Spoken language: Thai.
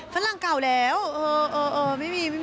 ฟันหลังเก่าแล้วเออไม่มี